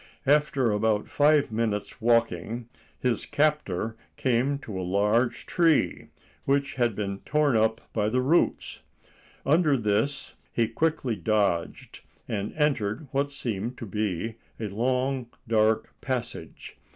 After about five minutes' walking, his captor came to a large tree which had been torn up by the roots. Under this he quickly dodged, and entered what seemed to be a long, dark passage.